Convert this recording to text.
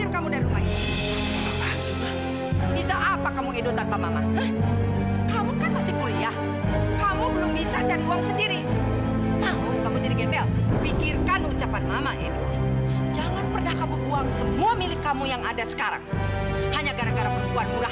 kalau hasilnya diberikan ke saya dulu